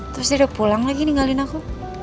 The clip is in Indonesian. terus dia udah pulang lagi nih ngalin aku